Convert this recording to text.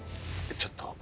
ちょっと。